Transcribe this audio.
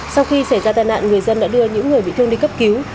sau khi xảy ra tai nạn người dân đã đưa những người bị thương đi cấp cứu